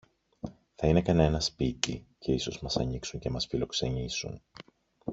Θα είναι κανένα σπίτι, και ίσως μας ανοίξουν και μας φιλοξενήσουν.